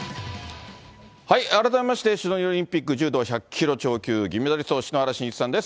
改めまして、シドニーオリンピック柔道１００キロ超級銀メダリスト、篠原信一さんです。